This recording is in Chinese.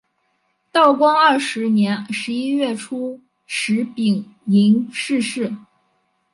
道光二十年十一月初十丙寅逝世。